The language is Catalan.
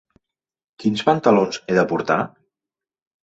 Quins pantalons he de portar?